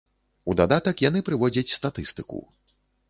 У дадатак яны прыводзяць статыстыку.